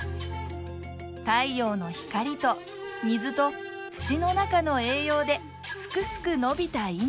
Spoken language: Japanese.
太陽の光と水と土の中の栄養ですくすく伸びた稲。